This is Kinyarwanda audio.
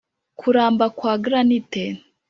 kuramba kwa granite;